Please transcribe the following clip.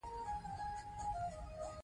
پښتو ژبه زموږ په زړونو کې ځای لري.